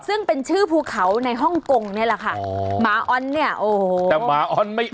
ซึ่งเป็นชื่อภูเขาในฮ่องกงนี่แหละค่ะหมาอ้อนเนี่ยโอ้โหแต่หมาอ้อนไม่อ้อ